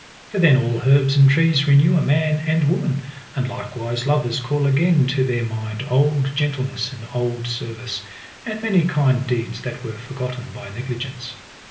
For then all herbs and trees renew a man and woman, and likewise lovers call again to their mind old gentleness and old service, and many kind deeds that were forgotten by negligence.